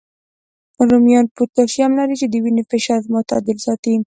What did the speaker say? رومیان پوتاشیم لري، چې د وینې فشار معتدل ساتي